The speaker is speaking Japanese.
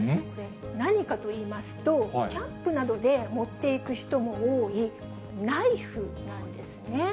何かといいますと、キャンプなどで持っていく人も多い、ナイフなんですね。